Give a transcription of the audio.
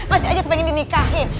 masih aja pengen dimikahin